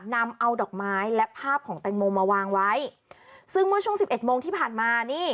นำเอาดอกไม้และภาพของแตงโมมาวางไว้ซึ่งเมื่อช่วงสิบเอ็ดโมงที่ผ่านมานี่